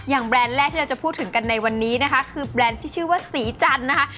แบรนด์แรกที่เราจะพูดถึงกันในวันนี้นะคะคือแบรนด์ที่ชื่อว่าสีจันทร์นะคะ